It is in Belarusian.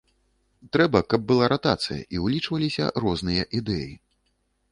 Трэба, каб была ратацыя і ўлічваліся розныя ідэі.